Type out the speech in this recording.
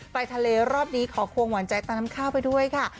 ไปทะเลรอบนี้ขอควงหวานใจตาน้ำข้าวไปด้วยค่ะ